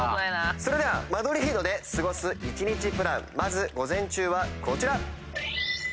それではマドリードで過ごす１日プランまず午前中はこちら。